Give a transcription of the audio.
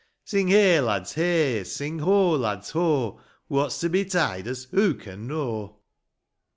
Sing heigh, lads, heigh ; sing ho, lads, ho ; What's to betide us who can know